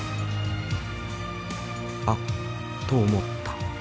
「あっ」と思った。